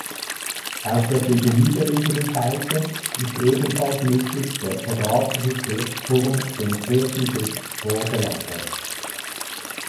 Auf der gegenüberliegenden Seite ist ebenfalls mittig der quadratische Kirchturm dem Kirchenschiff vorgelagert.